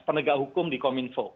penegak hukum di kominfo